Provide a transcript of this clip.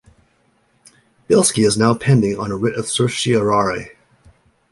"Bilski" is now pending on writ of certiorari.